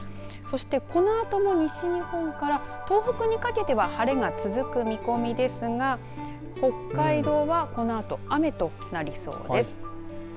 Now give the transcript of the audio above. そして、このあとも西日本から東北にかけては晴れが続く見込みですが北海道は、このあと雨となりそうです。